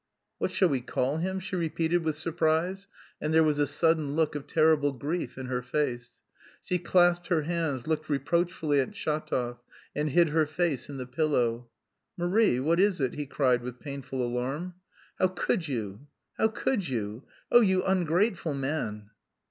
"What shall we call him?" she repeated with surprise, and there was a sudden look of terrible grief in her face. She clasped her hands, looked reproachfully at Shatov and hid her face in the pillow. "Marie, what is it?" he cried with painful alarm. "How could you, how could you... Oh, you ungrateful man!"